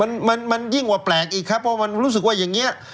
มันมันยิ่งกว่าแปลกอีกครับเพราะมันรู้สึกว่าอย่างนี้